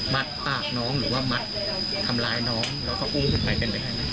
ปากน้องหรือว่ามัดทำร้ายน้องแล้วก็อุ้มขึ้นไปเป็นไปได้ไหม